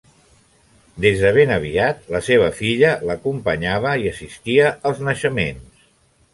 Des de ben aviat la seva filla l'acompanyava i assistia als naixements.